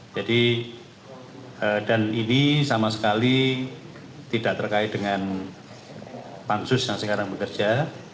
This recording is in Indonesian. jadi dan ini sama sekali tidak terkait dengan pansus yang sekarang bekerja